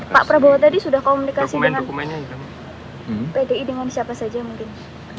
pak prabowo tadi sudah komunikasi dengan pdi dengan siapa saja mungkin